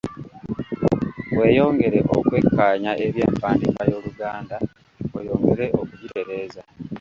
Weeyongere okwekkaanya eby’empandiika y’Oluganda oyongere okugitereeza.